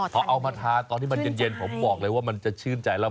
พอเอามาทานตอนที่มันเย็นผมบอกเลยว่ามันจะชื่นใจแล้ว